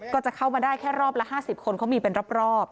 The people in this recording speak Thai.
ก็จะเข้ามาได้แค่รอบละ๕๐คนเขามีเป็นรอบ